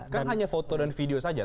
kan hanya foto dan video saja